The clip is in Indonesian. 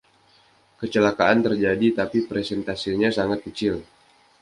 Kecelakaan terjadi tapi persentasenya sangat kecil.